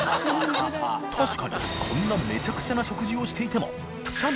祿里こんなめちゃくちゃな食事をしていても船礇鵑